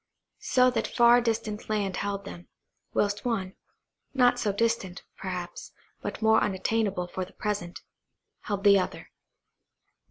So that far distant land held them, whilst one–not so distant, perhaps, but more unattainable for the present–held the other.